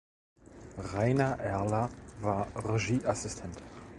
Rainer Erler war Regieassistent.